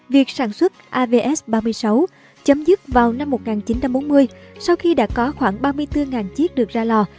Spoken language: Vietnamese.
việc sản xuất avs ba mươi sáu chấm dứt vào năm một nghìn chín trăm bốn mươi sau khi đã có khoảng ba mươi bốn chiếc được ra lò